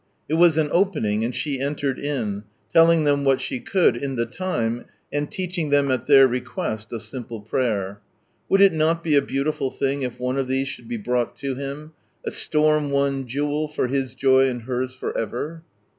It was an opening, and she entered in, telling them what she could in the time, and teaching ihem, at their request, a simple prayer. Would it not be a beautiful thing if one of these should be brought to Him, a storm won jewel, for His joy and hers for ever?